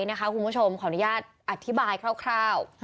เอาไว้นะคะคุณผู้ชมขออนุญาตอธิบายคร่าว